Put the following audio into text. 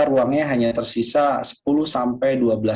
dengan seminar speakers risiko yang tinggi